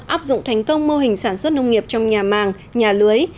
áp dụng thành công mô hình sản xuất nông nghiệp trong nhà màng nhà lưới